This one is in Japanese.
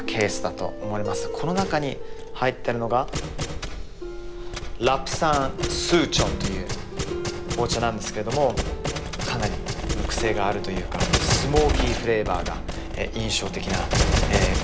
この中に入ってるのがラプサンスーチョンという紅茶なんですけどもかなりクセがあるというかスモーキーフレーバーが印象的な紅茶です。